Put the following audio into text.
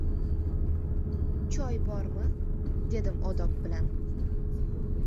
— Choy bormi?— dedim odob bilan.